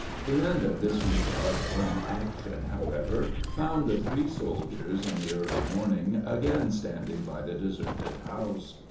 The end of this week of inaction, however, found the three soldiers in the early morning again standing by the deserted house.